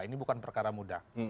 ini bukan perkara mudah